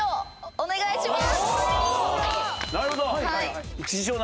お願いします！